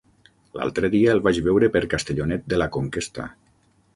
L'altre dia el vaig veure per Castellonet de la Conquesta.